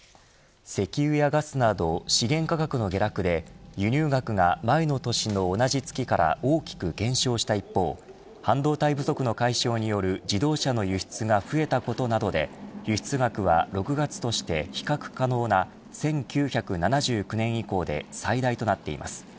石油やガスなど資源価格の下落で輸入額が前の年の同じ月から大きく減少した一方半導体不足の解消による自動車の輸出が増えたことなどで輸出額は、６月として比較可能な１９７９年以降で最大となっています。